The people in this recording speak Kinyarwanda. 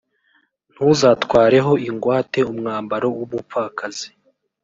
ntuzatwareho ingwate umwambaro w’umupfakazi.